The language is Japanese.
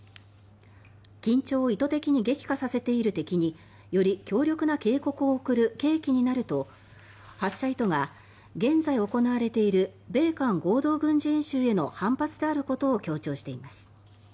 緊張を意図的に激化させている敵により強力な警告を送る契機になると発射意図が現在行われている米韓合同軍事演習への反発であることを強調しています。